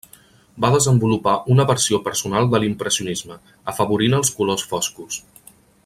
Va desenvolupar una versió personal de l'Impressionisme, afavorint els colors foscos.